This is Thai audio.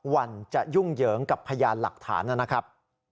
วันจะยุ่งเหยิงกับพยานหลักฐานนะครับ